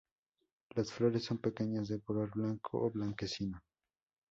Las flores son pequeñas, de color blanco a blanquecino.